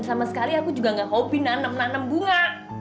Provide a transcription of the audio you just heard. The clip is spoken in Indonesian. sama sekali aku juga gak hobi nanam nanem bunga